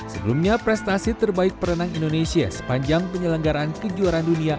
sebelumnya prestasi terbaik perenang indonesia sepanjang penyelenggaraan kejuaraan dunia